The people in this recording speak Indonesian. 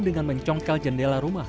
dengan mencongkel jendela rumah